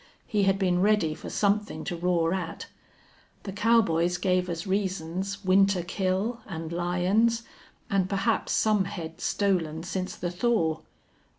He had been ready for something to roar at. The cowboys gave as reasons winter kill, and lions, and perhaps some head stolen since the thaw.